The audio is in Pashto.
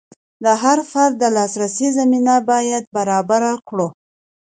د هر فرد د لاسرسي زمینه باید برابره کړو.